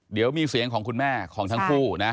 เดี๋ยวมีเสียงของคุณแม่ของทั้งคู่นะ